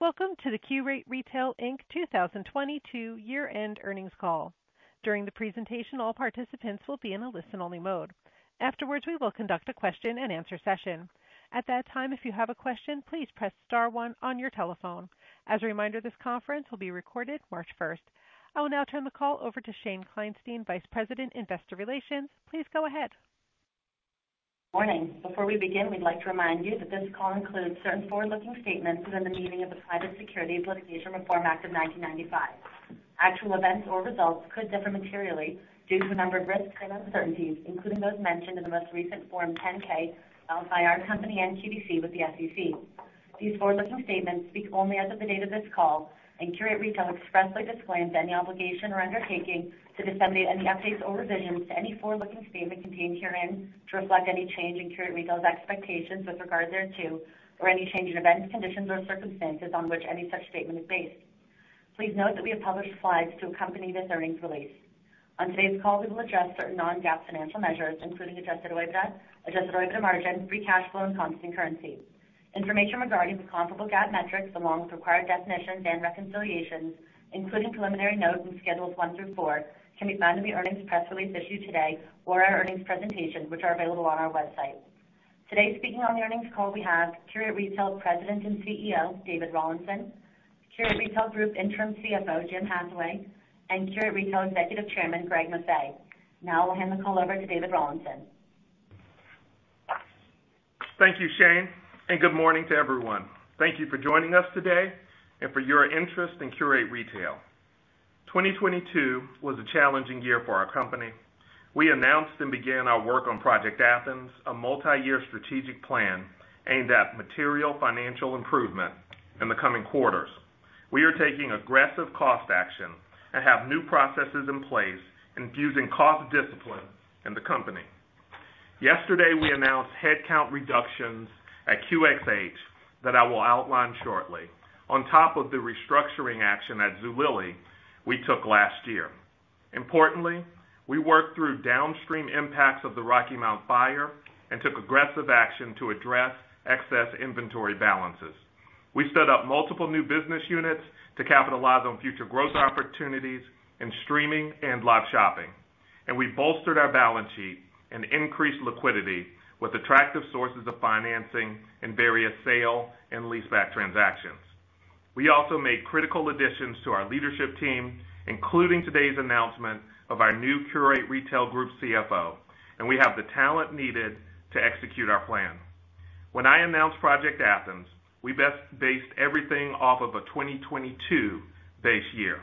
Welcome to the Qurate Retail, Inc. 2022 year-end earnings call. During the presentation, all participants will be in a listen-only mode. Afterwards, we will conduct a question-and-answer session. At that time, if you have a question, please press star one on your telephone. As a reminder, this conference will be recorded March first. I will now turn the call over to Shane Kleinstein, Vice President, Investor Relations. Please go ahead. Morning. Before we begin, we'd like to remind you that this call includes certain forward-looking statements within the meaning of the Private Securities Litigation Reform Act of 1995. Actual events or results could differ materially due to a number of risks and uncertainties, including those mentioned in the most recent Form 10-K filed by our company and QVC with the SEC. These forward-looking statements speak only as of the date of this call and Qurate Retail expressly disclaims any obligation or undertaking to disseminate any updates or revisions to any forward-looking statement contained herein to reflect any change in Qurate Retail's expectations with regard thereto or any change in events, conditions, or circumstances on which any such statement is based. Please note that we have published slides to accompany this earnings release. On today's call, we will address certain non-GAAP financial measures, including Adjusted OIBDA, Adjusted OIBDA margin, free cash flow, and constant currency. Information regarding the comparable GAAP metrics along with required definitions and reconciliations, including preliminary notes and schedules one through four, can be found in the earnings press release issued today or our earnings presentation, which are available on our website. Today, speaking on the earnings call, we have Qurate Retail President and CEO, David Rawlinson, Qurate Retail Group interim CFO, Jim Hathaway, and Qurate Retail Executive Chairman, Greg Maffei. I will hand the call over to David Rawlinson. Thank you, Shane, and good morning to everyone. Thank you for joining us today and for your interest in Qurate Retail. 2022 was a challenging year for our company. We announced and began our work on Project Athens, a multi-year strategic plan aimed at material financial improvement in the coming quarters. We are taking aggressive cost action and have new processes in place infusing cost discipline in the company. Yesterday, we announced headcount reductions at QxH that I will outline shortly on top of the restructuring action at Zulily we took last year. Importantly, we worked through downstream impacts of the Rocky Mount fire and took aggressive action to address excess inventory balances. We stood up multiple new business units to capitalize on future growth opportunities in streaming and live shopping, and we bolstered our balance sheet and increased liquidity with attractive sources of financing in various sale and leaseback transactions. We also made critical additions to our leadership team, including today's announcement of our new Qurate Retail Group CFO, and we have the talent needed to execute our plan. When I announced Project Athens, we based everything off of a 2022 base year.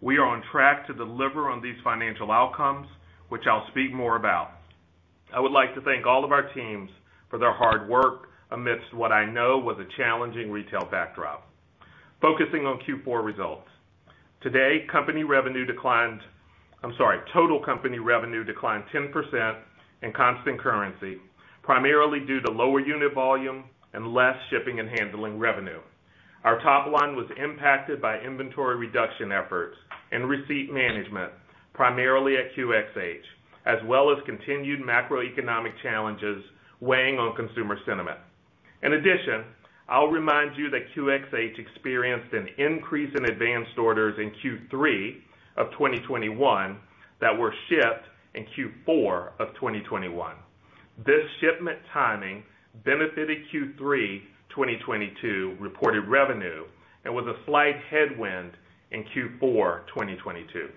We are on track to deliver on these financial outcomes, which I'll speak more about. I would like to thank all of our teams for their hard work amidst what I know was a challenging retail backdrop. Focusing on Q4 results. Today, company revenue declined, I'm sorry, total company revenue declined 10% in constant currency, primarily due to lower unit volume and less shipping and handling revenue. Our top line was impacted by inventory reduction efforts and receipt management, primarily at QxH, as well as continued macroeconomic challenges weighing on consumer sentiment. I'll remind you that QxH experienced an increase in advanced orders in Q3 of 2021 that were shipped in Q4 of 2021. This shipment timing benefited Q3 2022 reported revenue and was a slight headwind in Q4 2022.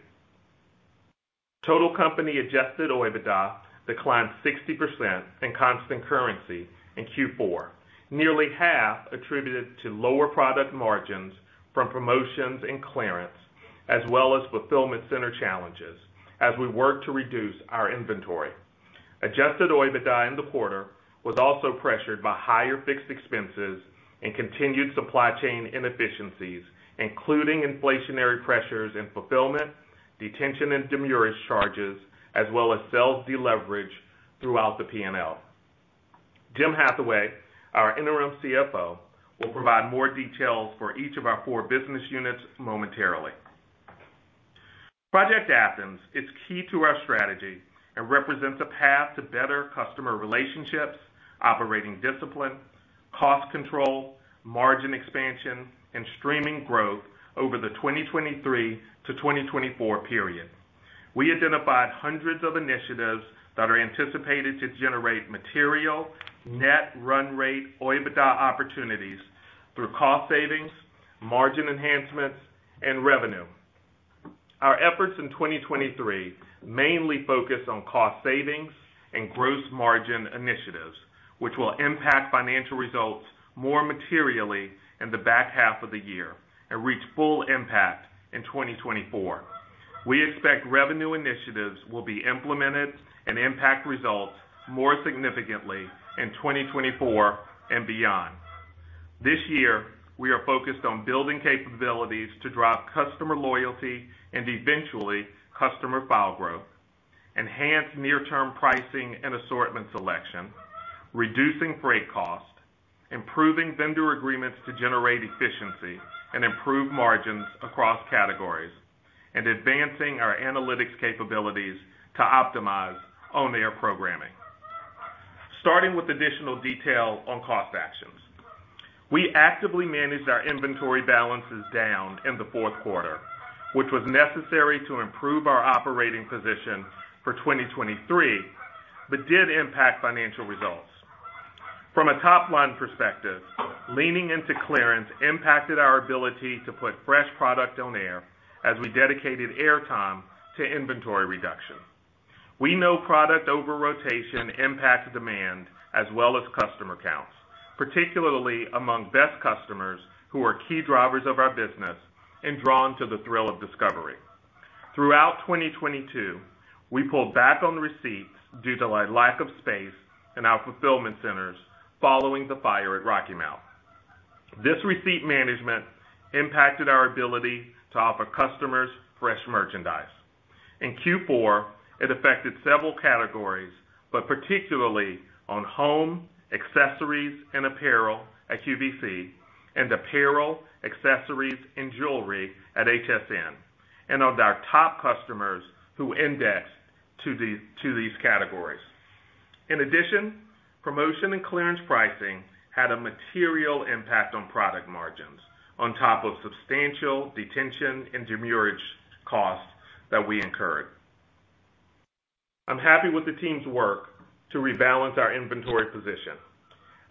Total company Adjusted OIBDA declined 60% in constant currency in Q4, nearly half attributed to lower product margins from promotions and clearance, as well as fulfillment center challenges as we work to reduce our inventory. Adjusted OIBDA in the quarter was also pressured by higher fixed expenses and continued supply chain inefficiencies, including inflationary pressures in fulfillment, detention and demurrage charges, as well as sales deleverage throughout the P&L. Jim Hathaway, our interim CFO, will provide more details for each of our 4 business units momentarily. Project Athens is key to our strategy and represents a path to better customer relationships, operating discipline, cost control, margin expansion, and streaming growth over the 2023 to 2024 period. We identified hundreds of initiatives that are anticipated to generate material net run rate OIBDA opportunities through cost savings, margin enhancements, and revenue. Our efforts in 2023 mainly focus on cost savings and gross margin initiatives, which will impact financial results more materially in the back half of the year and reach full impact in 2024. We expect revenue initiatives will be implemented and impact results more significantly in 2024 and beyond. This year, we are focused on building capabilities to drive customer loyalty and eventually customer file growth, enhance near-term pricing and assortment selection, reducing freight cost, improving vendor agreements to generate efficiency and improve margins across categories, and advancing our analytics capabilities to optimize on-air programming. Starting with additional detail on cost actions. We actively managed our inventory balances down in the fourth quarter, which was necessary to improve our operating position for 2023, but did impact financial results. From a top-line perspective, leaning into clearance impacted our ability to put fresh product on air as we dedicated airtime to inventory reduction. We know product over rotation impacts demand as well as customer counts, particularly among best customers who are key drivers of our business and drawn to the thrill of discovery. Throughout 2022, we pulled back on receipts due to a lack of space in our fulfillment centers following the fire at Rocky Mount. This receipt management impacted our ability to offer customers fresh merchandise. In Q4, it affected several categories, but particularly on home, accessories, and apparel at QVC and apparel, accessories, and jewelry at HSN, and of our top customers who indexed to these categories. Promotion and clearance pricing had a material impact on product margins on top of substantial detention and demurrage costs that we incurred. I'm happy with the team's work to rebalance our inventory position.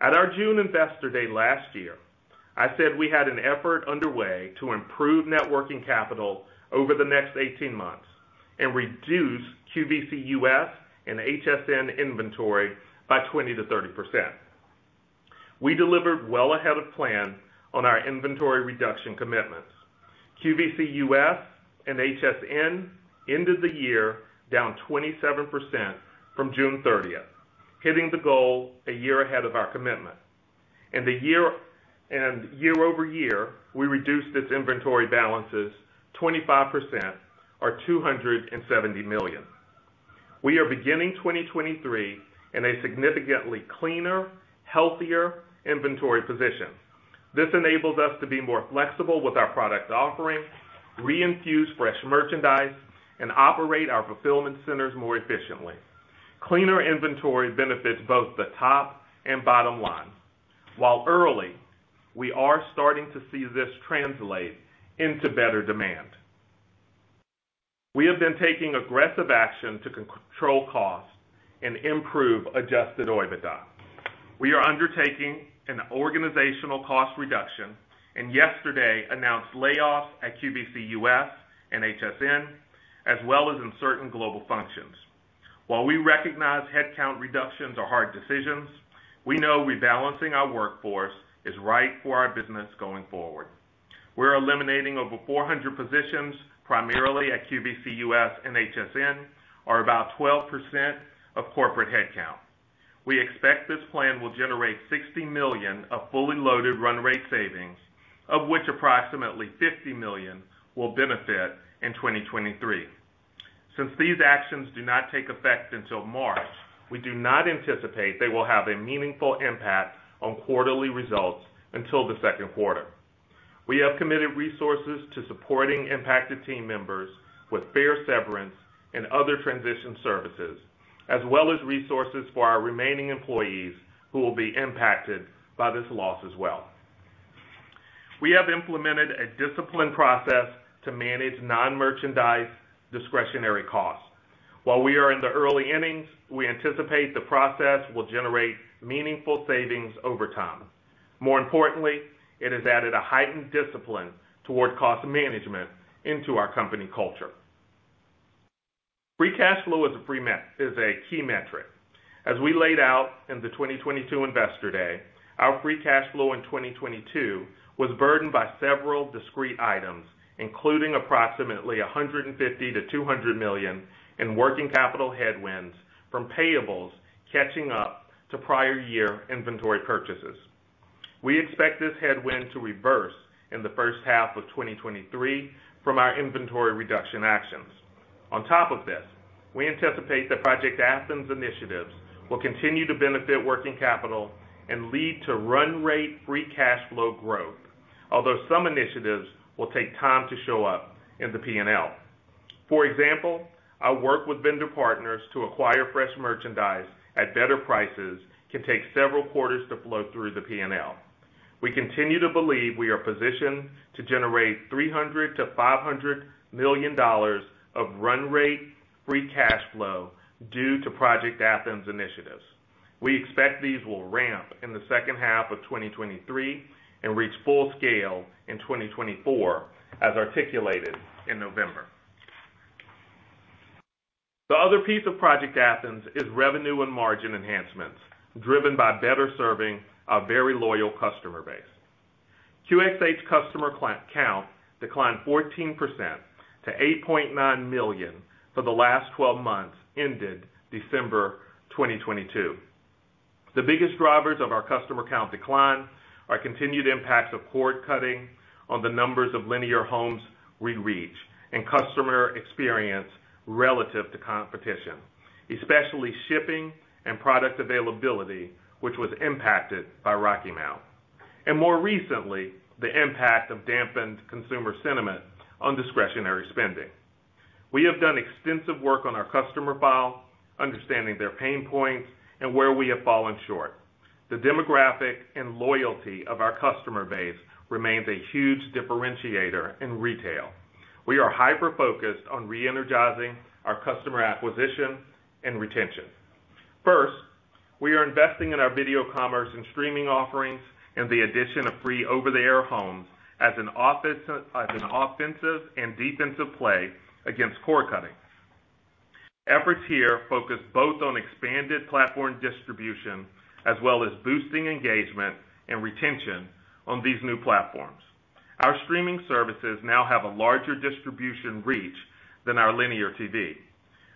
At our June Investor Day last year, I said we had an effort underway to improve networking capital over the next 18 months and reduce QVC US and HSN inventory by 20%-30%. We delivered well ahead of plan on our inventory reduction commitments. QVC US and HSN ended the year down 27% from June 30th, hitting the goal a year ahead of our commitment. Year-over-year, we reduced its inventory balances 25% or $270 million. We are beginning 2023 in a significantly cleaner, healthier inventory position. This enables us to be more flexible with our product offerings, reinfuse fresh merchandise, and operate our fulfillment centers more efficiently. Cleaner inventory benefits both the top and bottom line. While early, we are starting to see this translate into better demand. We have been taking aggressive action to control costs and improve Adjusted OIBDA. We are undertaking an organizational cost reduction and yesterday announced layoffs at QVC US and HSN, as well as in certain global functions. While we recognize headcount reductions are hard decisions, we know rebalancing our workforce is right for our business going forward. We're eliminating over 400 positions, primarily at QVC US and HSN, or about 12% of corporate headcount. We expect this plan will generate $60 million of fully loaded run rate savings, of which approximately $50 million will benefit in 2023. Since these actions do not take effect until March, we do not anticipate they will have a meaningful impact on quarterly results until the second quarter. We have committed resources to supporting impacted team members with fair severance and other transition services, as well as resources for our remaining employees who will be impacted by this loss as well. We have implemented a disciplined process to manage non-merchandise discretionary costs. While we are in the early innings, we anticipate the process will generate meaningful savings over time. More importantly, it has added a heightened discipline toward cost management into our company culture. Free cash flow is a key metric. As we laid out in the 2022 Investor Day, our free cash flow in 2022 was burdened by several discrete items, including approximately $150 million-$200 million in working capital headwinds from payables catching up to prior year inventory purchases. We expect this headwind to reverse in the first half of 2023 from our inventory reduction actions. On top of this, we anticipate that Project Athens initiatives will continue to benefit working capital and lead to run rate free cash flow growth. Although some initiatives will take time to show up in the P&L. For example, our work with vendor partners to acquire fresh merchandise at better prices can take several quarters to flow through the P&L. We continue to believe we are positioned to generate $300 million-$500 million of run rate free cash flow due to Project Athens initiatives. We expect these will ramp in the second half of 2023 and reach full scale in 2024, as articulated in November. The other piece of Project Athens is revenue and margin enhancements driven by better serving our very loyal customer base. QXH customer count declined 14% to 8.9 million for the last 12 months ended December 2022. The biggest drivers of our customer count decline are continued impacts of cord cutting on the numbers of linear homes we reach and customer experience relative to competition, especially shipping and product availability, which was impacted by Rocky Mount. More recently, the impact of dampened consumer sentiment on discretionary spending. We have done extensive work on our customer file, understanding their pain points and where we have fallen short. The demographic and loyalty of our customer base remains a huge differentiator in retail. We are hyper-focused on re-energizing our customer acquisition and retention. First, we are investing in our video commerce and streaming offerings and the addition of free over-the-air homes as an offensive and defensive play against cord cutting. Efforts here focus both on expanded platform distribution as well as boosting engagement and retention on these new platforms. Our streaming services now have a larger distribution reach than our linear TV.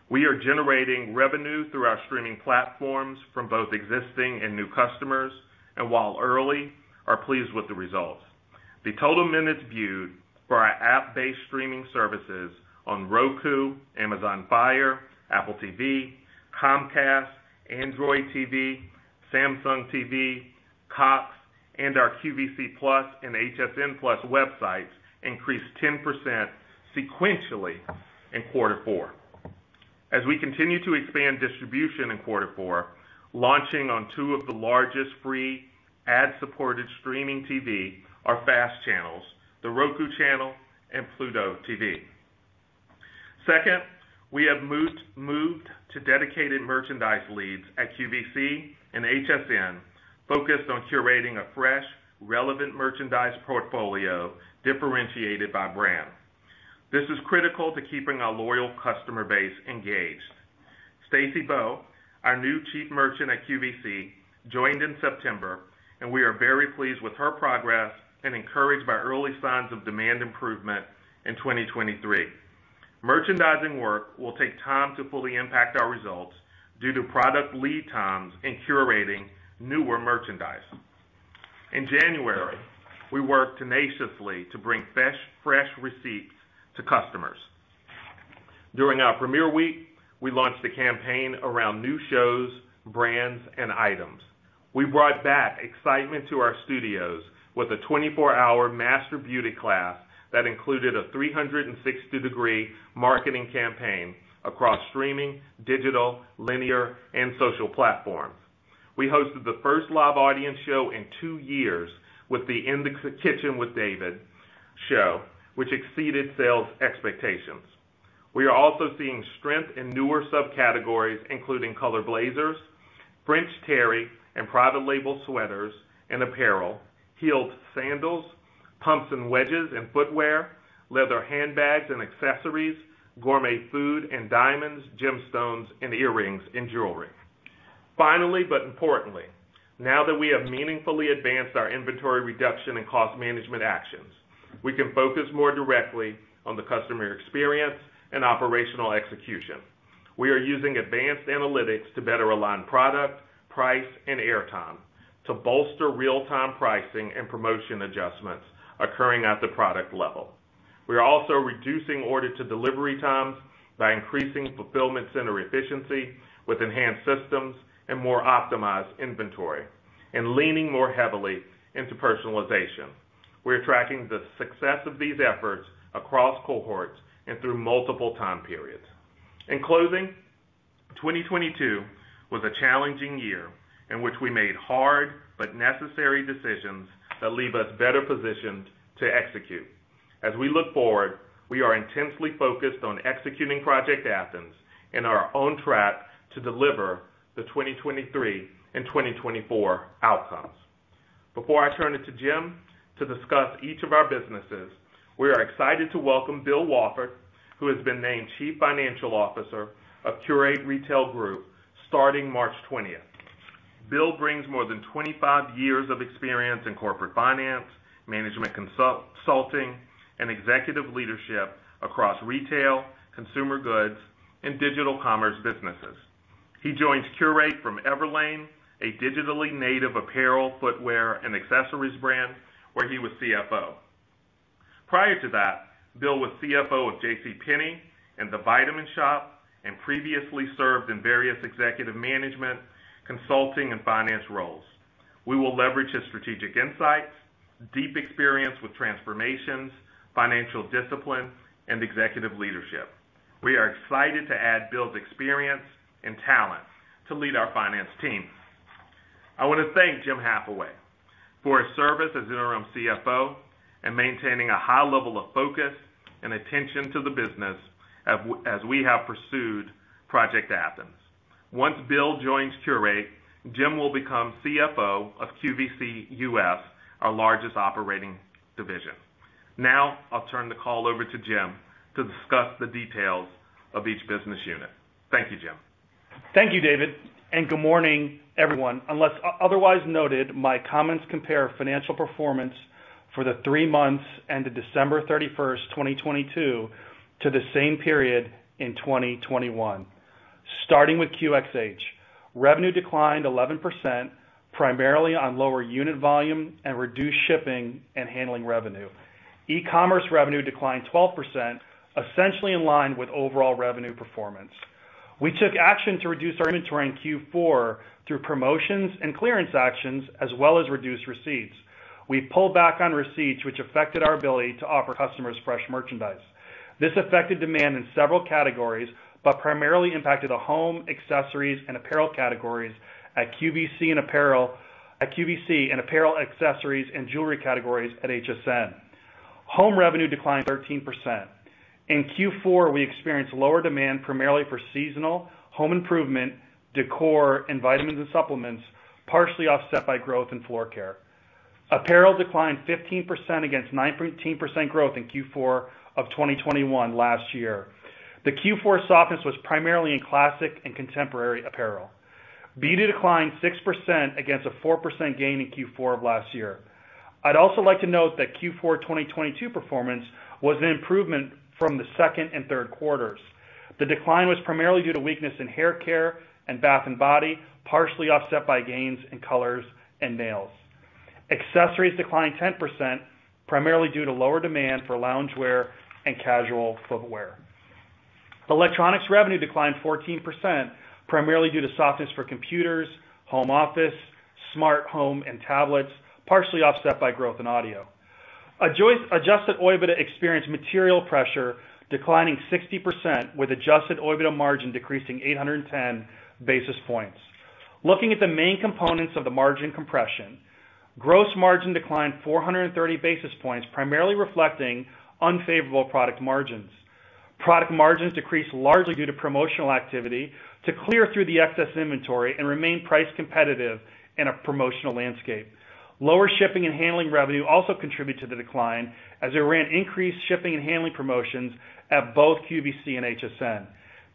We are generating revenue through our streaming platforms from both existing and new customers, and while early, are pleased with the results. The total minutes viewed for our app-based streaming services on Roku, Amazon Fire, Apple TV, Comcast, Android TV, Samsung TV, Cox, and our QVC Plus and HSN Plus websites increased 10% sequentially in quarter four. As we continue to expand distribution in quarter four, launching on two of the largest free ad-supported streaming TV, our FAST channels, The Roku Channel and Pluto TV. Second, we have moved to dedicated merchandise leads at QVC and HSN, focused on curating a fresh, relevant merchandise portfolio differentiated by brand. This is critical to keeping our loyal customer base engaged. Stacy Bowe, our new Chief Merchant at QVC, joined in September, and we are very pleased with her progress and encouraged by early signs of demand improvement in 2023. Merchandising work will take time to fully impact our results due to product lead times and curating newer merchandise. In January, we worked tenaciously to bring fresh receipts to customers. During our premiere week, we launched a campaign around new shows, brands, and items. We brought back excitement to our studios with a 24-hour master beauty class that included a 360-degree marketing campaign across streaming, digital, linear, and social platforms. We hosted the first live audience show in two years with the In the Kitchen with David show, which exceeded sales expectations. We are also seeing strength in newer subcategories, including color blazers, French terry, and private label sweaters and apparel, heeled sandals, pumps and wedges in footwear, leather handbags and accessories, gourmet food, and diamonds, gemstones, and earrings in jewelry. Importantly, now that we have meaningfully advanced our inventory reduction and cost management actions, we can focus more directly on the customer experience and operational execution. We are using advanced analytics to better align product, price, and airtime to bolster real-time pricing and promotion adjustments occurring at the product level. We are also reducing order to delivery times by increasing fulfillment center efficiency with enhanced systems and more optimized inventory and leaning more heavily into personalization. We are tracking the success of these efforts across cohorts and through multiple time periods. In closing, 2022 was a challenging year in which we made hard but necessary decisions that leave us better positioned to execute. As we look forward, we are intensely focused on executing Project Athens and are on track to deliver the 2023 and 2024 outcomes. Before I turn it to Jim to discuss each of our businesses, we are excited to welcome Bill Wafford, who has been named Chief Financial Officer of Qurate Retail Group starting March 20th. Bill brings more than 25 years of experience in corporate finance, management consulting, and executive leadership across retail, consumer goods, and digital commerce businesses. He joins Qurate from Everlane, a digitally native apparel, footwear, and accessories brand, where he was CFO. Prior to that, Bill was CFO of JCPenney and The Vitamin Shoppe and previously served in various executive management, consulting, and finance roles. We will leverage his strategic insights, deep experience with transformations, financial discipline, and executive leadership. We are excited to add Bill's experience and talent to lead our finance team. I want to thank Jim Hathaway for his service as interim CFO and maintaining a high level of focus and attention to the business as we have pursued Project Athens. Once Bill joins Qurate, Jim will become CFO of QVC US, our largest operating division. Now I'll turn the call over to Jim to discuss the details of each business unit. Thank you, Jim. Thank you, David, and good morning, everyone. Unless otherwise noted, my comments compare financial performance for the 3 months ended December 31, 2022 to the same period in 2021. Starting with QxH. Revenue declined 11%, primarily on lower unit volume and reduced shipping and handling revenue. E-commerce revenue declined 12%, essentially in line with overall revenue performance. We took action to reduce our inventory in Q4 through promotions and clearance actions as well as reduced receipts. We pulled back on receipts which affected our ability to offer customers fresh merchandise. This affected demand in several categories, but primarily impacted the home, accessories, and apparel categories at QVC and apparel, accessories, and jewelry categories at HSN. Home revenue declined 13%. In Q4, we experienced lower demand, primarily for seasonal, home improvement, decor, and vitamins and supplements, partially offset by growth in floor care. Apparel declined 15% against 19% growth in Q4 of 2021 last year. The Q4 softness was primarily in classic and contemporary apparel. Beauty declined 6% against a 4% gain in Q4 of last year. I'd also like to note that Q4 2022 performance was an improvement from the second and third quarters. The decline was primarily due to weakness in hair care and bath and body, partially offset by gains in colors and nails. Accessories declined 10%, primarily due to lower demand for loungewear and casual footwear. Electronics revenue declined 14%, primarily due to softness for computers, home office, smart home, and tablets, partially offset by growth in audio. Adjusted OIBDA experienced material pressure, declining 60% with Adjusted OIBDA margin decreasing 810 basis points. Looking at the main components of the margin compression, gross margin declined 430 basis points, primarily reflecting unfavorable product margins. Product margins decreased largely due to promotional activity to clear through the excess inventory and remain price competitive in a promotional landscape. Lower shipping and handling revenue also contributed to the decline as it ran increased shipping and handling promotions at both QVC and HSN.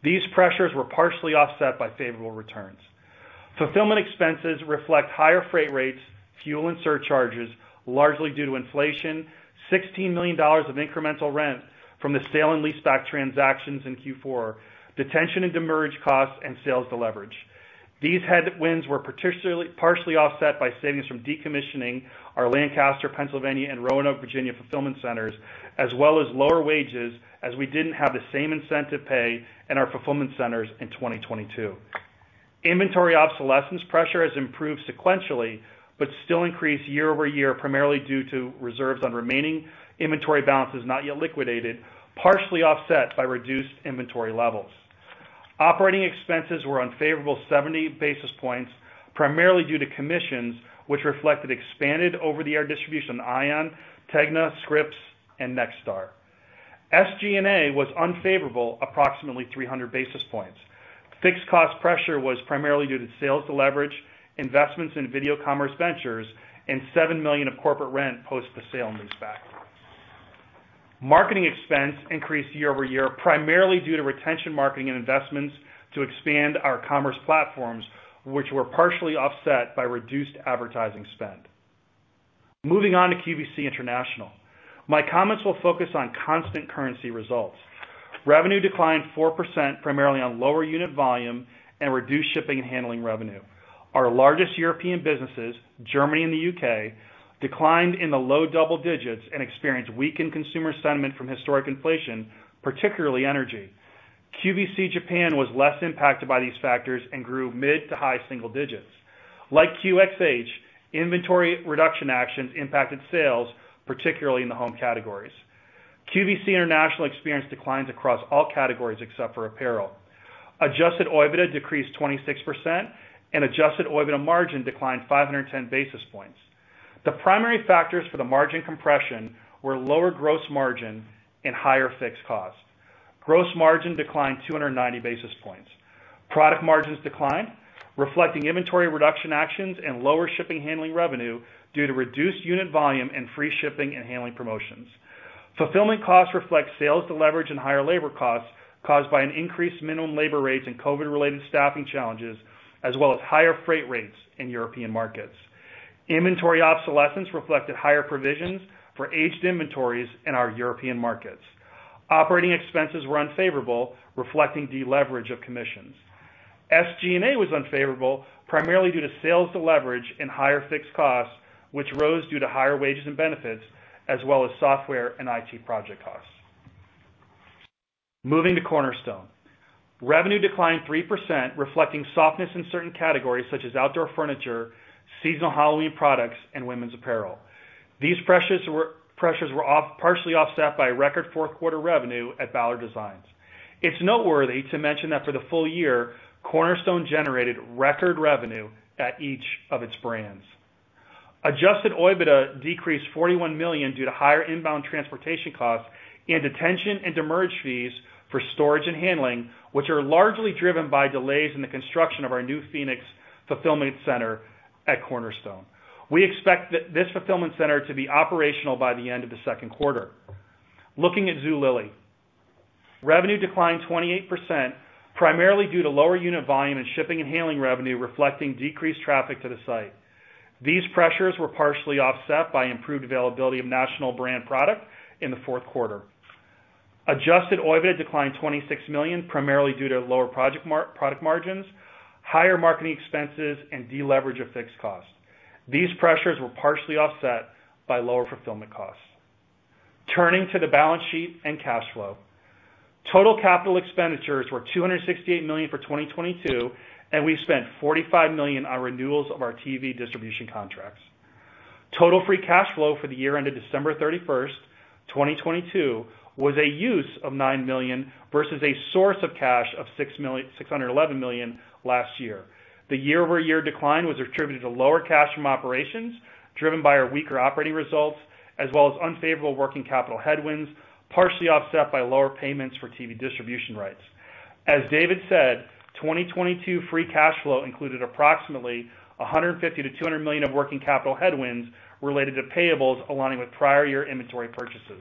These pressures were partially offset by favorable returns. Fulfillment expenses reflect higher freight rates, fuel and surcharges, largely due to inflation, $16 million of incremental rent from the sale and leaseback transactions in Q4, detention and demurrage costs, and sales deleverage. These headwinds were partially offset by savings from decommissioning our Lancaster, Pennsylvania, and Roanoke, Virginia, fulfillment centers, as well as lower wages as we didn't have the same incentive pay in our fulfillment centers in 2022. Inventory obsolescence pressure has improved sequentially, but still increased year-over-year, primarily due to reserves on remaining inventory balances not yet liquidated, partially offset by reduced inventory levels. Operating expenses were unfavorable 70 basis points, primarily due to commissions which reflected expanded over-the-air distribution on ION, TEGNA, Scripps, and Nexstar. SG&A was unfavorable approximately 300 basis points. Fixed cost pressure was primarily due to sales leverage, investments in video commerce ventures, and $7 million of corporate rent post the sale and leaseback. Marketing expense increased year-over-year, primarily due to retention marketing and investments to expand our commerce platforms, which were partially offset by reduced advertising spend. Moving on to QVC International. My comments will focus on constant currency results. Revenue declined 4%, primarily on lower unit volume and reduced shipping and handling revenue. Our largest European businesses, Germany and the UK, declined in the low double digits and experienced weakened consumer sentiment from historic inflation, particularly energy. QVC Japan was less impacted by these factors and grew mid to high single digits. Like QxH, inventory reduction actions impacted sales, particularly in the home categories. QVC International experienced declines across all categories except for apparel. Adjusted OIBDA decreased 26% and Adjusted OIBDA margin declined 510 basis points. The primary factors for the margin compression were lower gross margin and higher fixed costs. Gross margin declined 290 basis points. Product margins declined, reflecting inventory reduction actions and lower shipping and handling revenue due to reduced unit volume and free shipping and handling promotions. Fulfillment costs reflect sales deleverage and higher labor costs caused by an increased minimum labor rates and COVID-related staffing challenges, as well as higher freight rates in European markets. Inventory obsolescence reflected higher provisions for aged inventories in our European markets. Operating expenses were unfavorable, reflecting deleverage of commissions. SG&A was unfavorable, primarily due to sales deleverage and higher fixed costs, which rose due to higher wages and benefits as well as software and IT project costs. Moving to Cornerstone. Revenue declined 3%, reflecting softness in certain categories such as outdoor furniture, seasonal Halloween products, and women's apparel. These pressures were partially offset by record fourth quarter revenue at Ballard Designs. It's noteworthy to mention that for the full year, Cornerstone generated record revenue at each of its brands. Adjusted OIBDA decreased $41 million due to higher inbound transportation costs and detention and demurrage fees for storage and handling, which are largely driven by delays in the construction of our new Phoenix fulfillment center at Cornerstone. We expect this fulfillment center to be operational by the end of the second quarter. Looking at Zulily. Revenue declined 28%, primarily due to lower unit volume in shipping and handling revenue, reflecting decreased traffic to the site. These pressures were partially offset by improved availability of national brand product in the fourth quarter. Adjusted OIBDA declined $26 million, primarily due to lower product margins, higher marketing expenses, and deleverage of fixed costs. These pressures were partially offset by lower fulfillment costs. Turning to the balance sheet and cash flow. Total capital expenditures were $268 million for 2022, and we spent $45 million on renewals of our TV distribution contracts. Total free cash flow for the year ended December 31st, 2022, was a use of $9 million versus a source of cash of $611 million last year. The year-over-year decline was attributed to lower cash from operations, driven by our weaker operating results, as well as unfavorable working capital headwinds, partially offset by lower payments for TV distribution rights. As David said, 2022 free cash flow included approximately $150 million-$200 million of working capital headwinds related to payables aligning with prior year inventory purchases.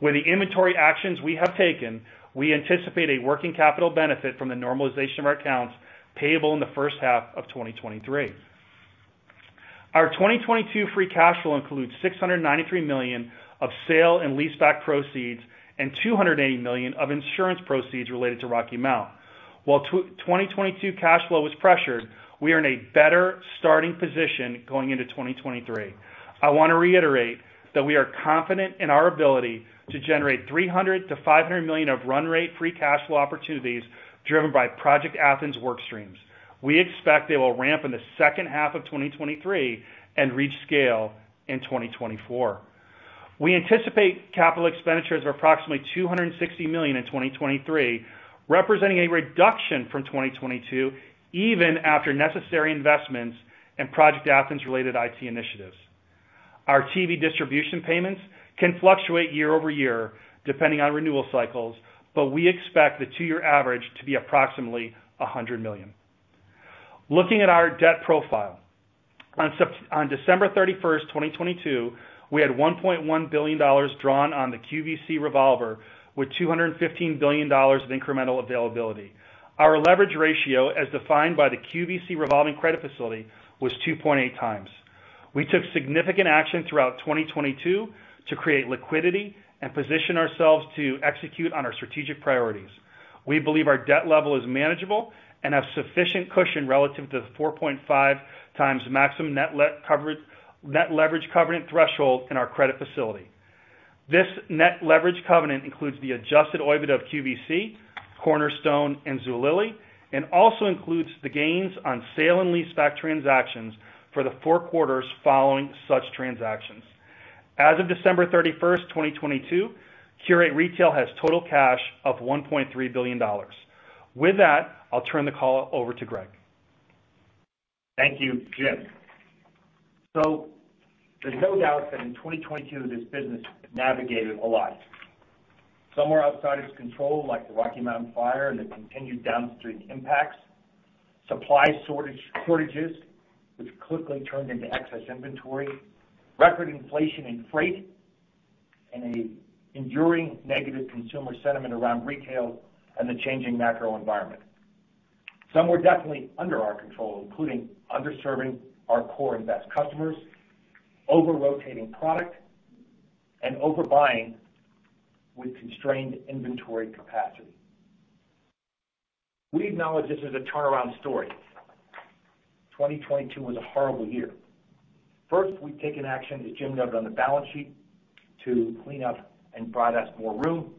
With the inventory actions we have taken, we anticipate a working capital benefit from the normalization of our accounts payable in the first half of 2023. Our 2022 free cash flow includes $693 million of sale and leaseback proceeds and $280 million of insurance proceeds related to Rocky Mount. While 2022 cash flow was pressured, we are in a better starting position going into 2023. I wanna reiterate that we are confident in our ability to generate $300 million-$500 million of run rate free cash flow opportunities driven by Project Athens work streams. We expect they will ramp in the second half of 2023 and reach scale in 2024. We anticipate capital expenditures of approximately $260 million in 2023, representing a reduction from 2022 even after necessary investments and Project Athens related IT initiatives. Our TV distribution payments can fluctuate year-over-year depending on renewal cycles. We expect the two-year average to be approximately $100 million. Looking at our debt profile. On December 31st, 2022, we had $1.1 billion drawn on the QVC revolver with $215 billion of incremental availability. Our leverage ratio, as defined by the QVC revolving credit facility, was 2.8 times. We took significant action throughout 2022 to create liquidity and position ourselves to execute on our strategic priorities. We believe our debt level is manageable and have sufficient cushion relative to the 4.5 times maximum net leverage covenant threshold in our credit facility. This net leverage covenant includes the Adjusted OIBDA of QVC, Cornerstone, and Zulily, and also includes the gains on sale and leaseback transactions for the 4 quarters following such transactions. As of December 31st, 2022, Qurate Retail has total cash of $1.3 billion. With that, I'll turn the call over to Greg. Thank you, Jim. There's no doubt that in 2022, this business navigated a lot. Some were outside its control, like the Rocky Mount fire and the continued downstream impacts, supply shortages, which quickly turned into excess inventory, record inflation in freight, and a enduring negative consumer sentiment around retail and the changing macro environment. Some were definitely under our control, including underserving our core invest customers, over-rotating product, and overbuying with constrained inventory capacity. We acknowledge this is a turnaround story. 2022 was a horrible year. First, we've taken action that Jim noted on the balance sheet to clean up and provide us more room.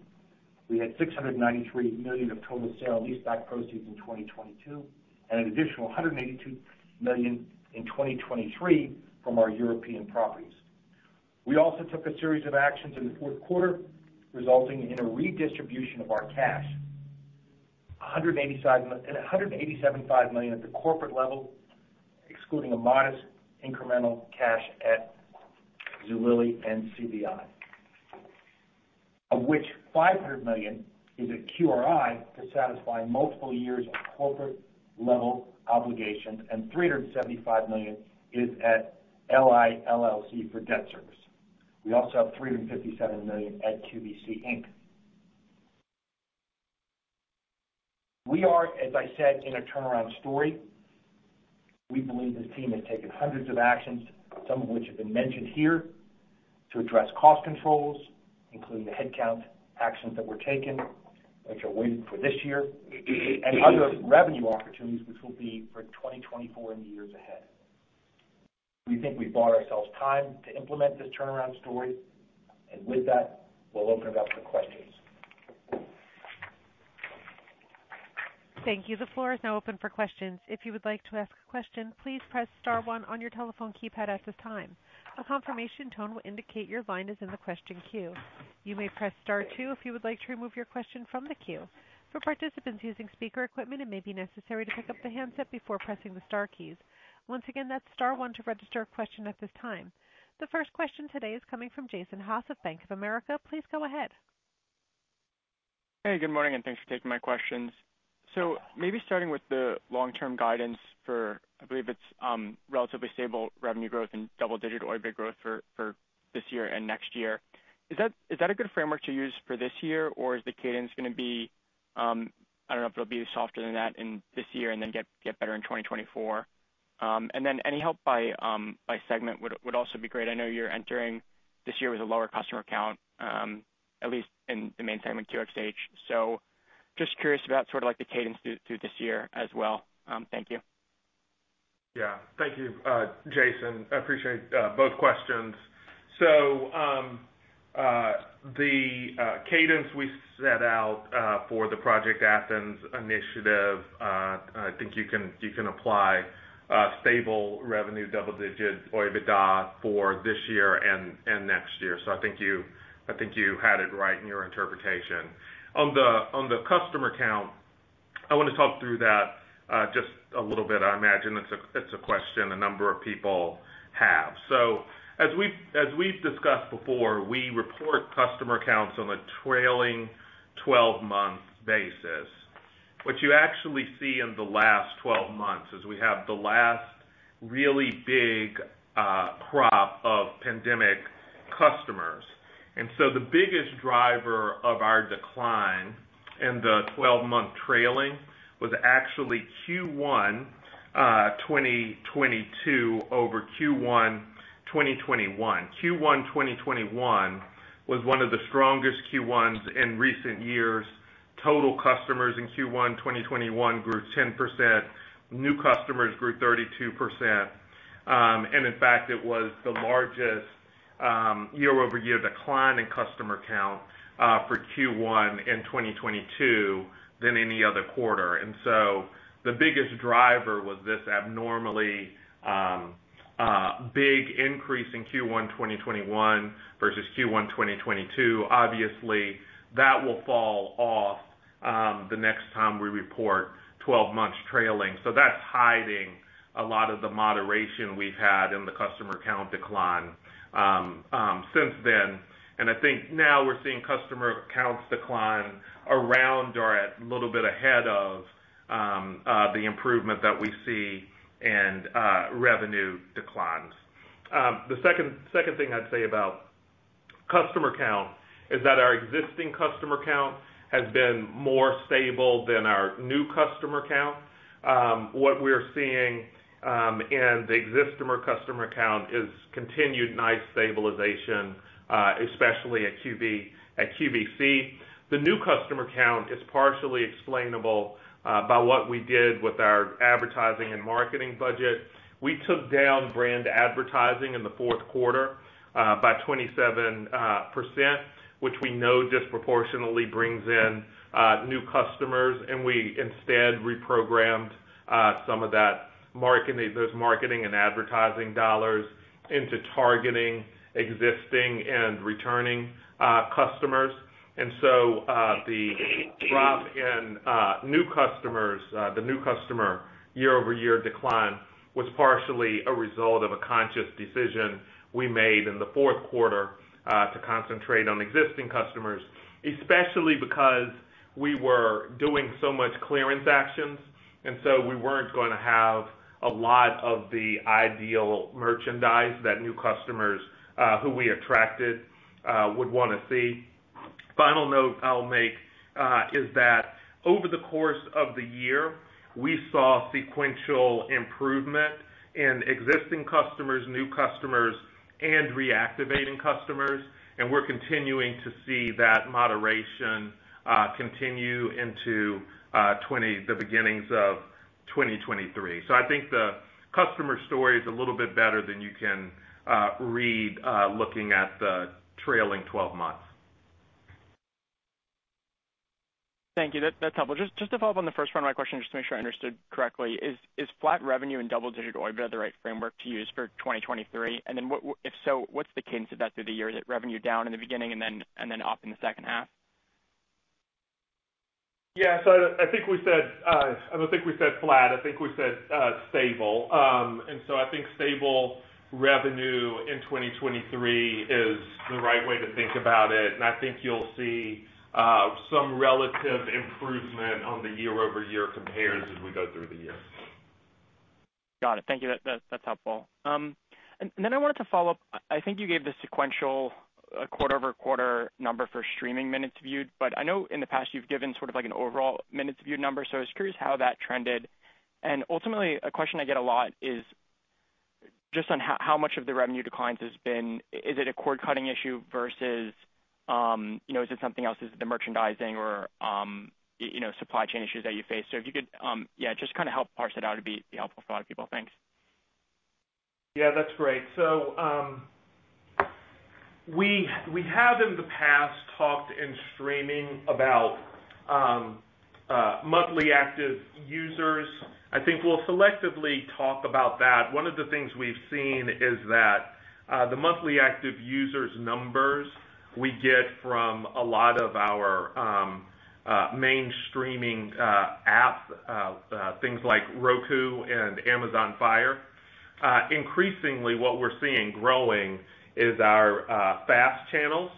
We had $693 million of total sale and leaseback proceeds in 2022 and an additional $182 million in 2023 from our European properties. We also took a series of actions in the fourth quarter, resulting in a redistribution of our cash. $187.5 million at the corporate level, excluding a modest incremental cash at Zulily and CBI. Of which $500 million is at QRI to satisfy multiple years of corporate level obligations, and $375 million is at LI LLC for debt service. We also have $357 million at QVC Inc. We are, as I said, in a turnaround story. We believe this team has taken hundreds of actions, some of which have been mentioned here, to address cost controls, including the headcount actions that were taken, which are waiting for this year, and other revenue opportunities, which will be for 2024 and the years ahead. We think we've bought ourselves time to implement this turnaround story. With that, we'll open it up for questions. Thank you. The floor is now open for questions. If you would like to ask a question, please press star one on your telephone keypad at this time. A confirmation tone will indicate your line is in the question queue. You may press star two if you would like to remove your question from the queue. For participants using speaker equipment, it may be necessary to pick up the handset before pressing the star keys. Once again, that's star one to register a question at this time. The first question today is coming from Jason Haas of Bank of America. Please go ahead. Hey, good morning, and thanks for taking my questions. Maybe starting with the long-term guidance for, I believe it's, relatively stable revenue growth and double-digit OIBDA growth for this year and next year. Is that a good framework to use for this year, or is the cadence gonna be, I don't know if it'll be softer than that in this year and then get better in 2024. Then any help by segment would also be great. I know you're entering this year with a lower customer count, at least in the main segment, QxH. Just curious about sort of like the cadence through this year as well. Thank you. Yeah. Thank you, Jason. I appreciate both questions. The cadence we set out for the Project Athens initiative, I think you can apply stable revenue, double-digit OIBDA for this year and next year. I think you had it right in your interpretation. On the customer count, I wanna talk through that just a little bit. I imagine it's a question a number of people have. As we've discussed before, we report customer counts on a trailing 12-month basis. What you actually see in the last 12 months is we have the last really big crop of pandemic customers. The biggest driver of our decline in the 12-month trailing was actually Q1 2022 over Q1 2021. Q1 2021 was one of the strongest Q1s in recent years. Total customers in Q1 2021 grew 10%. In fact, it was the largest year-over-year decline in customer count for Q1 in 2022 than any other quarter. The biggest driver was this abnormally big increase in Q1 2021 versus Q1 2022. Obviously, that will fall off the next time we report 12 months trailing. That's hiding a lot of the moderation we've had in the customer count decline since then. I think now we're seeing customer counts decline around or at a little bit ahead of the improvement that we see in revenue declines. The second thing I'd say about customer count is that our existing customer count has been more stable than our new customer count. What we're seeing in the existing customer count is continued nice stabilization, especially at QVC. The new customer count is partially explainable by what we did with our advertising and marketing budget. We took down brand advertising in the fourth quarter by 27%, which we know disproportionately brings in new customers, and we instead reprogrammed some of those marketing and advertising dollars into targeting existing and returning customers. The drop in new customers, the new customer year-over-year decline was partially a result of a conscious decision we made in the fourth quarter to concentrate on existing customers, especially because we were doing so much clearance actions. We weren't gonna have a lot of the ideal merchandise that new customers who we attracted would wanna see. Final note I'll make is that over the course of the year, we saw sequential improvement in existing customers, new customers, and reactivating customers, and we're continuing to see that moderation continue into the beginnings of 2023. I think the customer story is a little bit better than you can read looking at the trailing twelve months. Thank you. That's helpful. Just to follow up on the first part of my question, just to make sure I understood correctly. Is flat revenue and double-digit OIBDA the right framework to use for 2023? what if so, what's the cadence of that through the year? Is it revenue down in the beginning and then up in the second half? Yeah. I think we said, I don't think we said flat, I think we said stable. I think stable revenue in 2023 is the right way to think about it, and I think you'll see some relative improvement on the year-over-year compares as we go through the year. Got it. Thank you. That's helpful. I wanted to follow up. I think you gave the sequential quarter-over-quarter number for streaming minutes viewed, but I know in the past you've given sort of like an overall minutes viewed number. I was curious how that trended. Ultimately, a question I get a lot is just on how much of the revenue declines has been. Is it a cord-cutting issue versus, you know, is it something else? Is it the merchandising or, you know, supply chain issues that you face? If you could, yeah, just kinda help parse it out, it'd be helpful for a lot of people. Thanks. That's great. We have in the past talked in streaming about monthly active users. I think we'll selectively talk about that. One of the things we've seen is that the monthly active users numbers we get from a lot of our mainstreaming app things like Roku and Amazon Fire. Increasingly, what we're seeing growing is our FAST channels.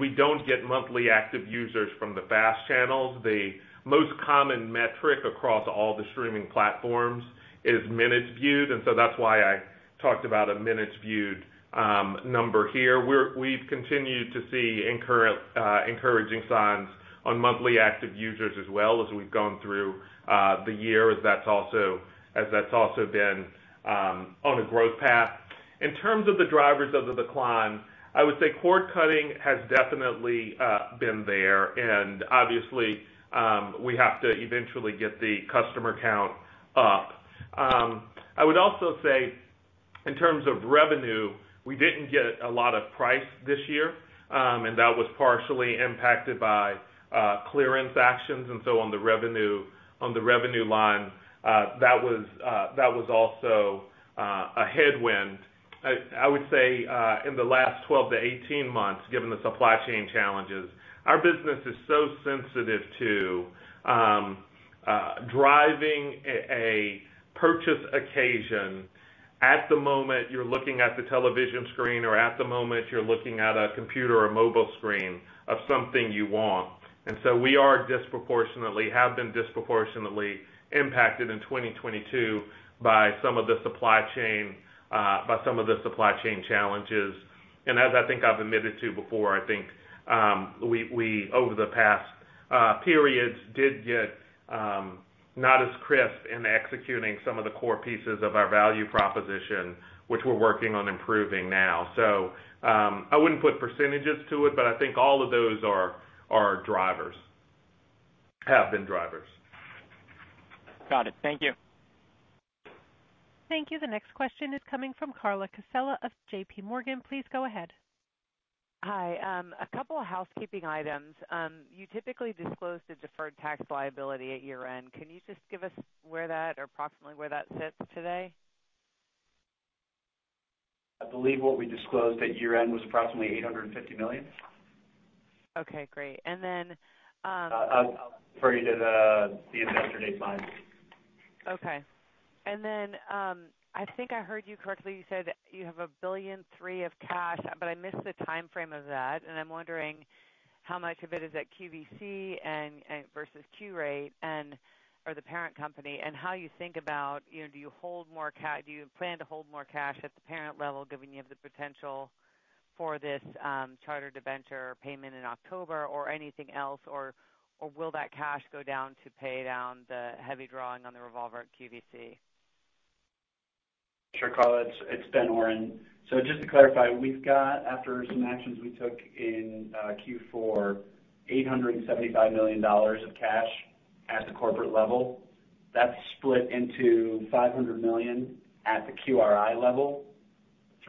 We don't get monthly active users from the FAST channels. The most common metric across all the streaming platforms is minutes viewed. That's why I talked about a minutes viewed number here. We've continued to see encouraging signs on monthly active users as well as we've gone through the year, as that's also been on a growth path. In terms of the drivers of the decline, I would say cord cutting has definitely been there, and obviously, we have to eventually get the customer count up. I would also say in terms of revenue, we didn't get a lot of price this year, and that was partially impacted by clearance actions and so on the revenue line, that was also a headwind. I would say in the last 12-18 months, given the supply chain challenges, our business is so sensitive to driving a purchase occasion at the moment you're looking at the television screen or at the moment you're looking at a computer or mobile screen of something you want. We have been disproportionately impacted in 2022 by some of the supply chain challenges. As I think I've admitted to before, I think, we over the past periods did get not as crisp in executing some of the core pieces of our value proposition, which we're working on improving now. I wouldn't put percentages to it, but I think all of those are drivers, have been drivers. Got it. Thank you. Thank you. The next question is coming from Carla Casella of JPMorgan. Please go ahead. Hi. A couple of housekeeping items. You typically disclose the deferred tax liability at year-end. Can you just give us where that or approximately where that sits today? I believe what we disclosed at year-end was approximately $850 million. Okay, great. I'll refer you to the investor day slides. Okay. I think I heard you correctly, you said you have $1.3 billion of cash, but I missed the timeframe of that. I'm wondering how much of it is at QVC and versus Qurate and or the parent company, and how you think about, you know, do you plan to hold more cash at the parent level given you have the potential for this, Charter exchangeable debenture payment in October or anything else, or will that cash go down to pay down the heavy drawing on the revolver at QVC? Sure, Carla. It's Ben Oren. Just to clarify, we've got after some actions we took in Q4, $875 million of cash at the corporate level. That's split into $500 million at the QRI level,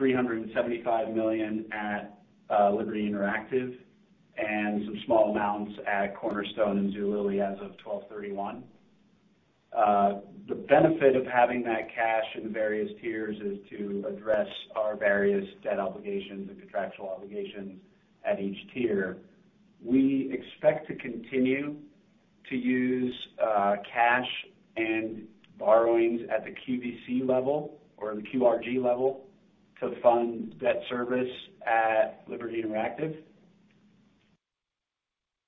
$375 million at Liberty Interactive, and some small amounts at Cornerstone and Zulily as of 12/31. The benefit of having that cash in the various tiers is to address our various debt obligations and contractual obligations at each tier. We expect to continue to use cash and borrowings at the QVC level or the QRG level to fund debt service at Liberty Interactive.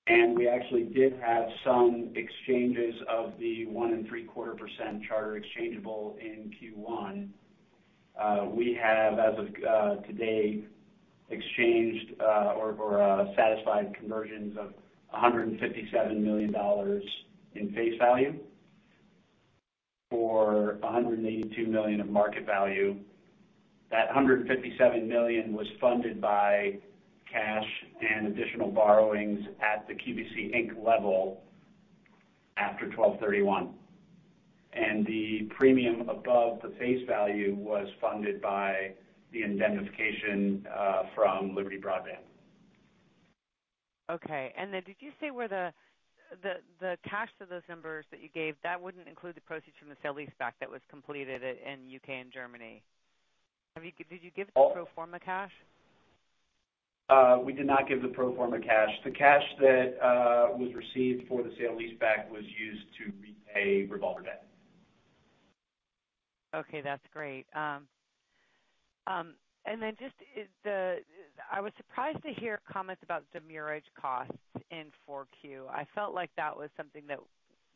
We actually did have some exchanges of the one and three quarter percent Charter exchangeable in Q1. We have as of today exchanged or satisfied conversions of $157 million in face value for $182 million of market value. That $157 million was funded by cash and additional borrowings at the QVC, Inc. level after 12/31. The premium above the face value was funded by the indemnification from Liberty Broadband. Okay. Did you say where the cash for those numbers that you gave, that wouldn't include the proceeds from the sale leaseback that was completed in UK and Germany? Did you give the pro forma cash? We did not give the pro forma cash. The cash that was received for the sale leaseback was used to repay revolver debt. Okay, that's great. I was surprised to hear comments about demurrage costs in 4Q. I felt like that was something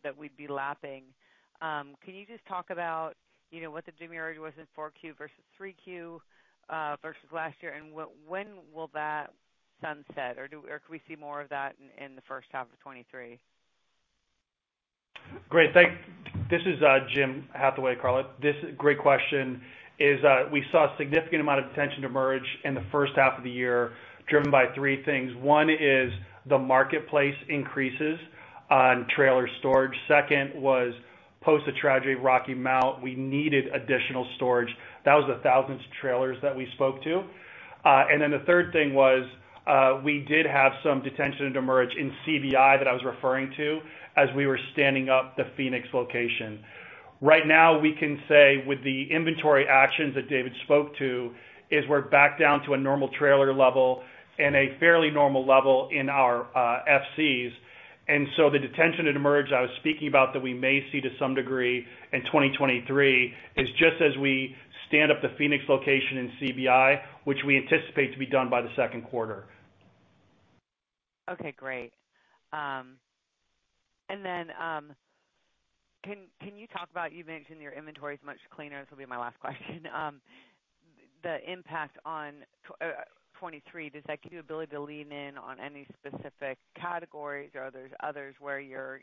that we'd be lapping. Can you just talk about, you know, what the demurrage was in 4Q versus 3Q versus last year, and when will that sunset, or can we see more of that in the first half of 2023? Great. This is Jim Hathaway, Carla. This great question is, we saw a significant amount of detention demurrage in the first half of the year, driven by 3 things. 1 is the marketplace increases on trailer storage. Second was post the tragedy of Rocky Mount, we needed additional storage. That was the thousands of trailers that we spoke to. Then the third thing was, we did have some detention and demurrage in CBI that I was referring to as we were standing up the Phoenix location. Right now, we can say with the inventory actions that David spoke to, is we're back down to a normal trailer level and a fairly normal level in our FCs. The detention and demurrage I was speaking about that we may see to some degree in 2023 is just as we stand up the Phoenix location in CBI, which we anticipate to be done by the second quarter. Okay, great. Can you talk about, you mentioned your inventory is much cleaner. This will be my last question. The impact on 23, does that give you ability to lean in on any specific categories or are there others where you're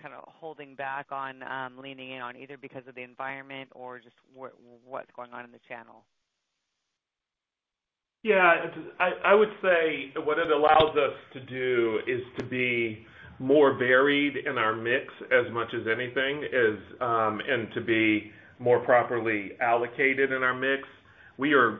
kind of holding back on, leaning in on either because of the environment or just what's going on in the channel? Yeah, I would say what it allows us to do is to be more varied in our mix as much as anything is, and to be more properly allocated in our mix. We are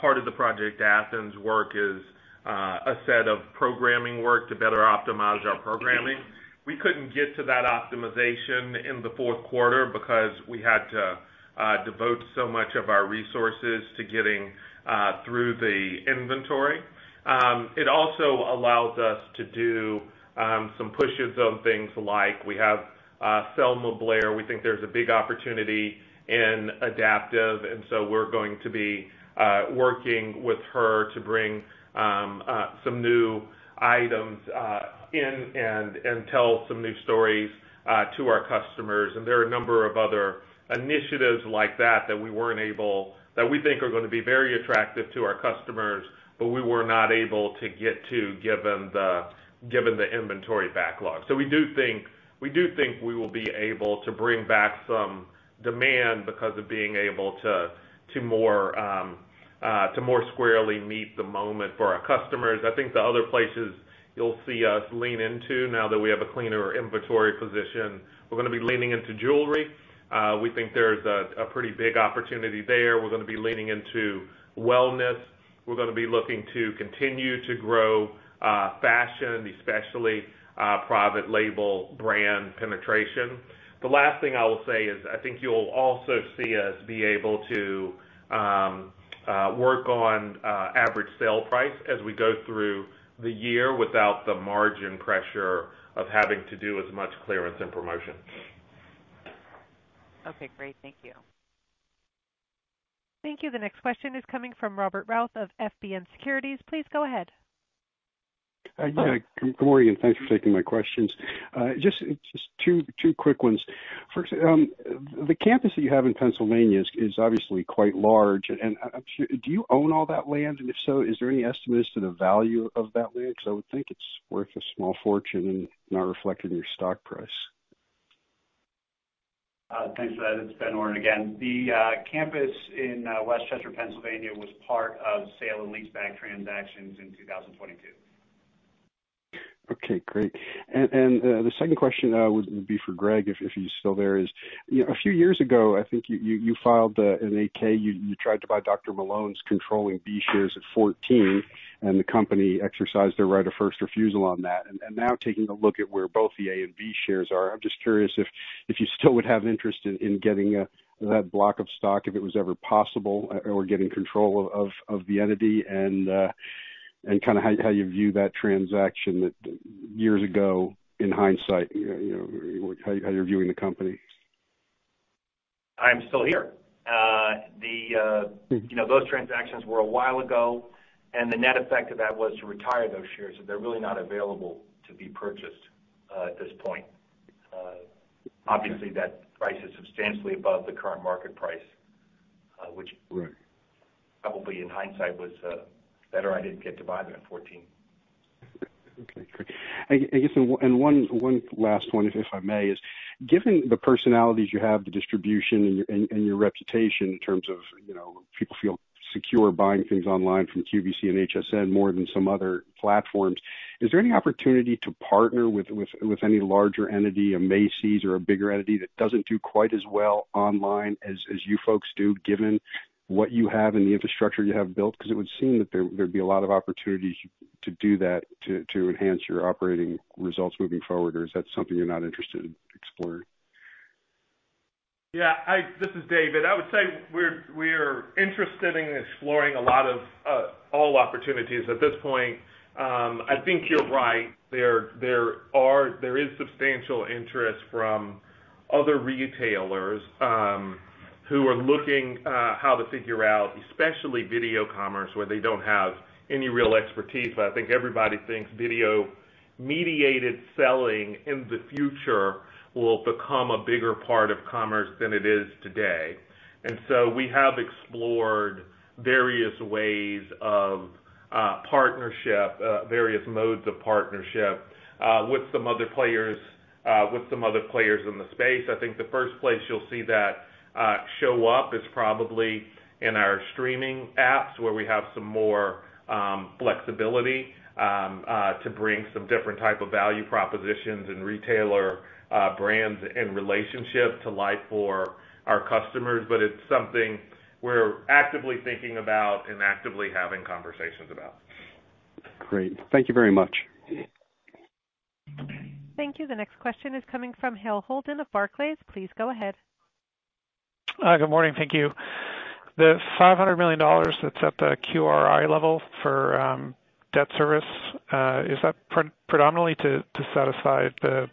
part of the Project Athens work is a set of programming work to better optimize our programming. We couldn't get to that optimization in the fourth quarter because we had to devote so much of our resources to getting through the inventory. It also allows us to do some pushes on things like we have Selma Blair. We think there's a big opportunity in adaptive, we're going to be working with her to bring some new items in and tell some new stories to our customers. There are a number of other initiatives like that we weren't able that we think are gonna be very attractive to our customers, but we were not able to get to given the inventory backlog. We do think we will be able to bring back some demand because of being able to to more squarely meet the moment for our customers. The other places you'll see us lean into now that we have a cleaner inventory position, we're gonna be leaning into jewelry. We think there's a pretty big opportunity there. We're gonna be leaning into wellness. We're gonna be looking to continue to grow fashion, especially private label brand penetration. The last thing I will say is I think you'll also see us be able to work on average sale price as we go through the year without the margin pressure of having to do as much clearance and promotion. Okay, great. Thank you. Thank you. The next question is coming from Robert Routh of FBN Securities. Please go ahead. Hi. Yeah. Good morning, and thanks for taking my questions. Just two quick ones. First, the campus that you have in Pennsylvania is obviously quite large. Do you own all that land? If so, is there any estimates to the value of that land? I would think it's worth a small fortune and not reflected in your stock price. Thanks for that. It's Ben Oren again. The campus in West Chester, Pennsylvania, was part of sale and leaseback transactions in 2022. Okay, great. The second question would be for Greg, if he's still there, is, you know, a few years ago, I think you filed an 8-K, you tried to buy Dr. Malone's controlling B shares at $14, and the company exercised their right of first refusal on that. Now taking a look at where both the A and B shares are, I'm just curious if you still would have interest in getting that block of stock, if it was ever possible or getting control of the entity and kinda how you view that transaction years ago in hindsight, you know, how you're viewing the company. I'm still here. The, you know, those transactions were a while ago, and the net effect of that was to retire those shares, so they're really not available to be purchased at this point. Obviously, that price is substantially above the current market price. Right... probably in hindsight was, better I didn't get to buy them at 14. Okay, great. I guess one last one, if I may, is given the personalities you have, the distribution and your reputation in terms of, you know, people feel secure buying things online from QVC and HSN more than some other platforms, is there any opportunity to partner with any larger entity, a Macy's or a bigger entity that doesn't do quite as well online as you folks do, given what you have and the infrastructure you have built? It would seem that there'd be a lot of opportunities to do that to enhance your operating results moving forward. Or is that something you're not interested in exploring? This is David. I would say we're, we are interested in exploring a lot of all opportunities at this point. I think you're right. There is substantial interest from other retailers, who are looking how to figure out, especially video commerce, where they don't have any real expertise. I think everybody thinks video-mediated selling in the future will become a bigger part of commerce than it is today. We have explored various ways of partnership, various modes of partnership, with some other players in the space. I think the first place you'll see that show up is probably in our streaming apps, where we have some more flexibility to bring some different type of value propositions and retailer brands and relationships to life for our customers. It's something we're actively thinking about and actively having conversations about. Great. Thank you very much. Thank you. The next question is coming from Hale Holden of Barclays. Please go ahead. Good morning. Thank you. The $500 million that's at the QRI level for debt service, is that predominantly to set aside the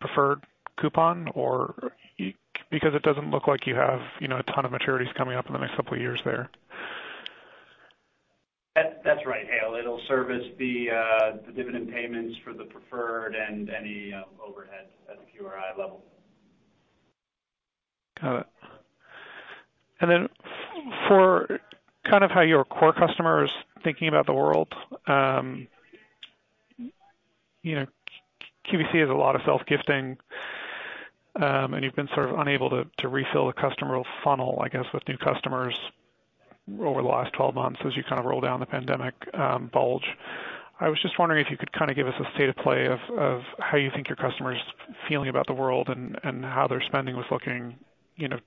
preferred coupon or because it doesn't look like you have a ton of maturities coming up in the next couple of years there? That's right, Hale. It'll service the dividend payments for the preferred and any overhead at the QRI level. Got it. For kind of how your core customer is thinking about the world, you know, QVC has a lot of self-gifting. You've been sort of unable to refill the customer funnel, I guess, with new customers over the last 12 months as you kind of roll down the pandemic bulge. I was just wondering if you could kind of give us a state of play of how you think your customers feeling about the world and how their spending was looking, you know,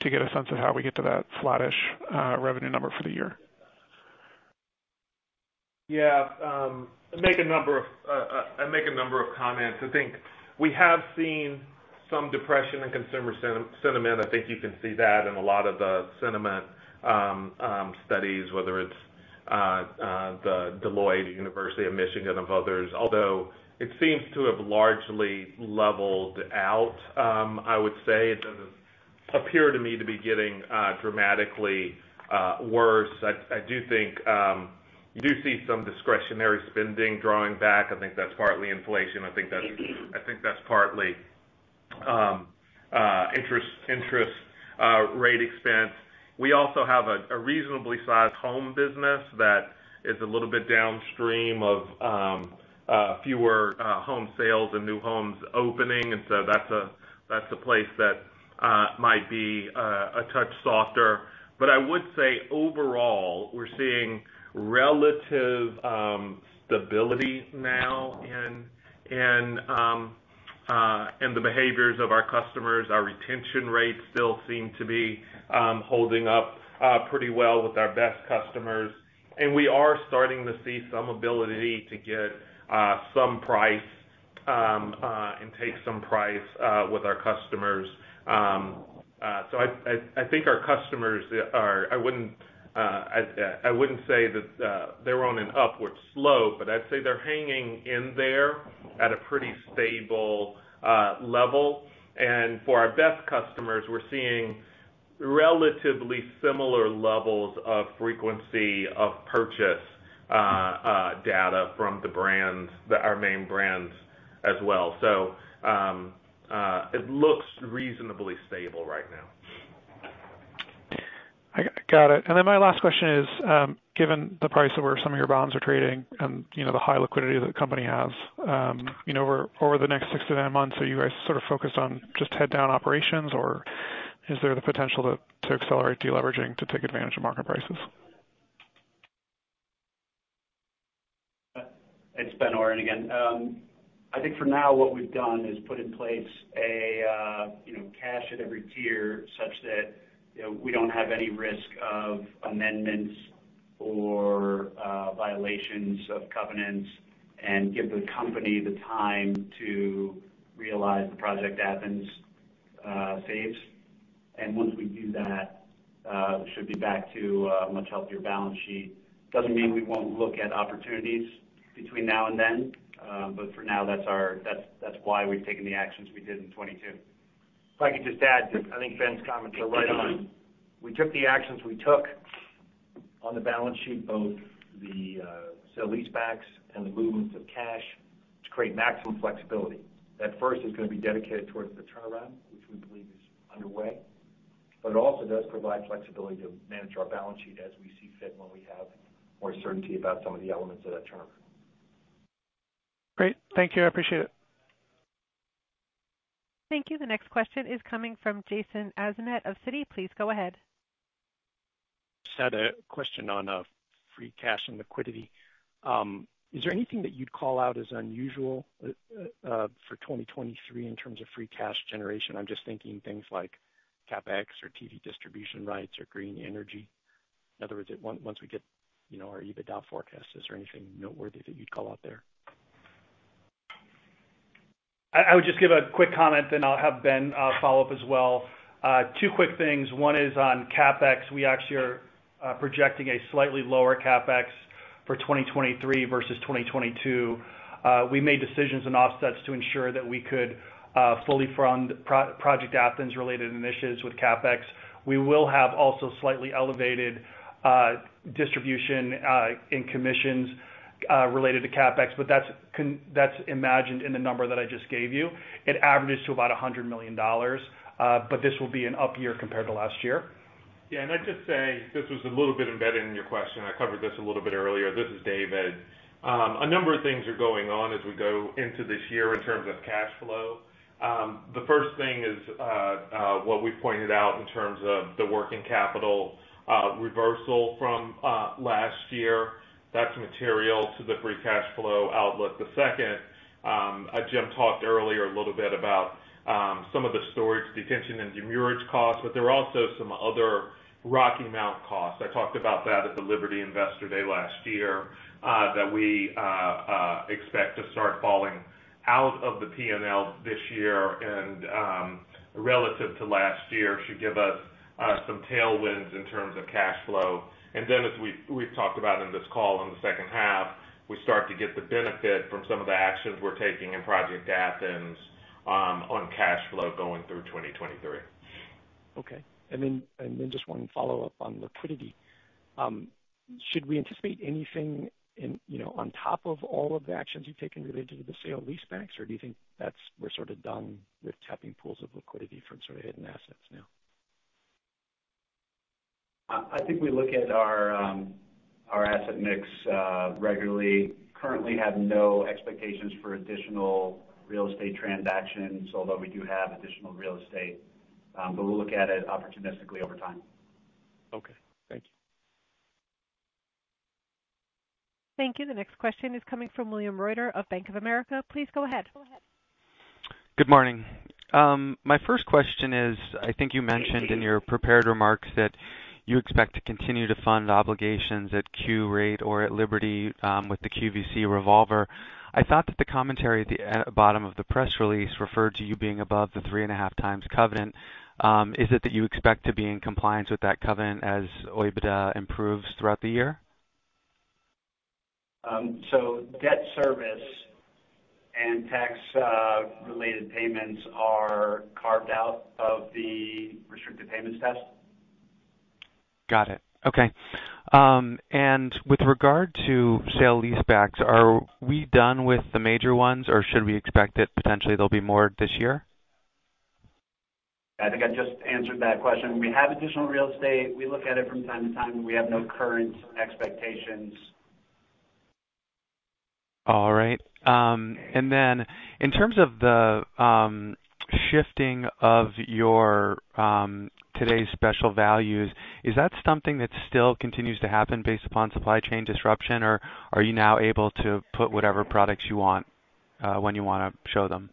to get a sense of how we get to that flattish revenue number for the year. Yeah. I'll make a number of comments. I think we have seen some depression in consumer sentiment. I think you can see that in a lot of the sentiment studies, whether it's the Deloitte, University of Michigan, among others. It seems to have largely leveled out, I would say it doesn't appear to me to be getting dramatically worse. I do think you do see some discretionary spending drawing back. I think that's partly inflation. I think that's partly interest rate expense. We also have a reasonably sized home business that is a little bit downstream of fewer home sales and new homes opening. That's a place that might be a touch softer. I would say overall, we're seeing relative stability now in the behaviors of our customers. Our retention rates still seem to be holding up pretty well with our best customers, and we are starting to see some ability to get some price and take some price with our customers. I think our customers I wouldn't say that they're on an upward slope, but I'd say they're hanging in there at a pretty stable level. For our best customers, we're seeing relatively similar levels of frequency of purchase data from the brands, our main brands as well. It looks reasonably stable right now. I got it. My last question is, given the price of where some of your bonds are trading and, you know, the high liquidity that the company has, you know, over the next six to nine months, are you guys sort of focused on just head down operations, or is there the potential to accelerate deleveraging to take advantage of market prices? It's Ben Oren again. I think for now, what we've done is put in place a, you know, cash at every tier such that, you know, we don't have any risk of amendments or violations of covenants and give the company the time to realize the Project Athens saves. Once we do that, we should be back to a much healthier balance sheet. Doesn't mean we won't look at opportunities between now and then. For now, that's why we've taken the actions we did in 22. If I could just add, I think Ben's comments are right on. We took the actions we took on the balance sheet, both the sale-leasebacks and the movements of cash to create maximum flexibility. That first is gonna be dedicated towards the turnaround, which we believe is underway, but it also does provide flexibility to manage our balance sheet as we see fit when we have more certainty about some of the elements of that turnaround. Great. Thank you. I appreciate it. Thank you. The next question is coming from Jason Bazinet of Citi. Please go ahead. Just had a question on free cash and liquidity. Is there anything that you'd call out as unusual for 2023 in terms of free cash generation? I'm just thinking things like CapEx or TV distribution rights or green energy. In other words, once we get, you know, our EBITDA forecast, is there anything noteworthy that you'd call out there? I would just give a quick comment, then I'll have Ben follow up as well. Two quick things. One is on CapEx. We actually are projecting a slightly lower CapEx for 2023 versus 2022. We made decisions and offsets to ensure that we could fully fund Project Athens related initiatives with CapEx. We will have also slightly elevated distribution in commissions related to CapEx, but that's imagined in the number that I just gave you. It averages to about $100 million, but this will be an up year compared to last year. Yeah. I'd just say, this was a little bit embedded in your question. I covered this a little bit earlier. This is David. A number of things are going on as we go into this year in terms of cash flow. The first thing is what we pointed out in terms of the working capital reversal from last year. That's material to the free cash flow outlook. The second, Jim talked earlier a little bit about some of the storage detention and demurrage costs, but there are also some other Rocky Mount costs. I talked about that at the Liberty Investor Day last year that we expect to start falling out of the P&L this year and relative to last year, should give us some tailwinds in terms of cash flow. As we've talked about in this call in the second half, we start to get the benefit from some of the actions we're taking in Project Athens on cash flow going through 2023. Okay. Just one follow-up on liquidity. Should we anticipate anything in, you know, on top of all of the actions you've taken related to the sale-leasebacks, or do you think that's we're sort of done with tapping pools of liquidity from sort of hidden assets now? I think we look at our asset mix regularly. Currently have no expectations for additional real estate transactions, although we do have additional real estate, but we'll look at it opportunistically over time. Okay. Thank you. Thank you. The next question is coming from William Reuter of Bank of America. Please go ahead. Good morning. My first question is, I think you mentioned in your prepared remarks that you expect to continue to fund obligations at Qurate Retail or at Liberty Interactive with the QVC revolver. I thought that the commentary at the bottom of the press release referred to you being above the 3.5 times covenant. Is it that you expect to be in compliance with that covenant as OIBDA improves throughout the year? Debt service and tax related payments are carved out of the restricted payments test. Got it. Okay. With regard to sale leasebacks, are we done with the major ones, or should we expect that potentially there'll be more this year? I think I just answered that question. We have additional real estate. We look at it from time to time, and we have no current expectations. All right. In terms of the shifting of your Today's Special Values, is that something that still continues to happen based upon supply chain disruption, or are you now able to put whatever products you want when you wanna show them?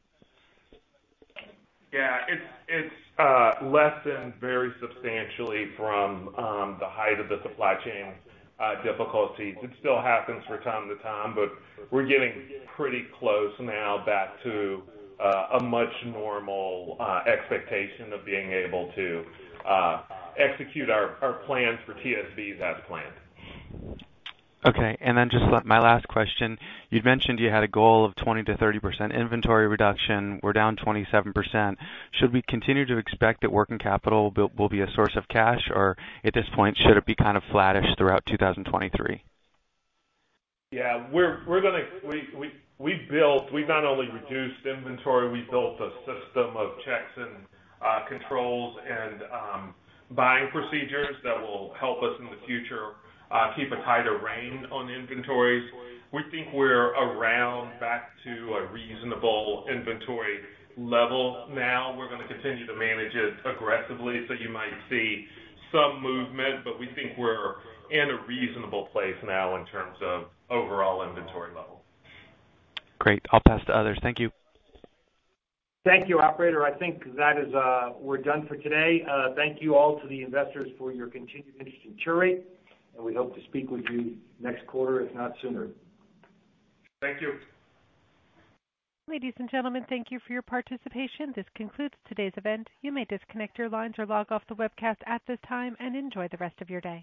Yeah. It's lessened very substantially from the height of the supply chain difficulties. It still happens from time to time, but we're getting pretty close now back to a much normal expectation of being able to execute our plans for TSVs as planned. Okay. Just my last question, you'd mentioned you had a goal of 20%-30% inventory reduction. We're down 27%. Should we continue to expect that working capital will be a source of cash, or at this point, should it be kind of flattish throughout 2023? We not only reduced inventory, we built a system of checks and controls and buying procedures that will help us in the future, keep a tighter rein on inventories. We think we're around back to a reasonable inventory level now. We're gonna continue to manage it aggressively, so you might see some movement, but we think we're in a reasonable place now in terms of overall inventory level. Great. I'll pass to others. Thank you. Thank you, operator. I think that is, we're done for today. Thank you all to the investors for your continued interest in Qurate, and we hope to speak with you next quarter, if not sooner. Thank you. Ladies and gentlemen, thank you for your participation. This concludes today's event. You may disconnect your lines or log off the webcast at this time. Enjoy the rest of your day.